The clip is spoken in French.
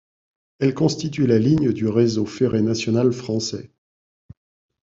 Elle constitue la ligne du réseau ferré national français.